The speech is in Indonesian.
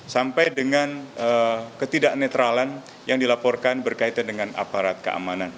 sampai dengan ketidak netralan yang dilaporkan berkaitan dengan aparat keamanan